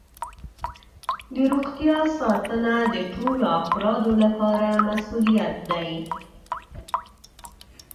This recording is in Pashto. د روغتیا ساتنه د ټولو افرادو لپاره مسؤولیت دی.